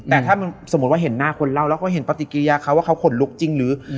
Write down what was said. แต่ถ้าสมมุติว่าเห็นหน้าคนเล่าแล้วเขาเห็นปฏิกิริยาเขาว่าเขาขนลุกจริงหรือ